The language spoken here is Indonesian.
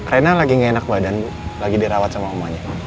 rena lagi gak enak badan bu lagi dirawat sama umumnya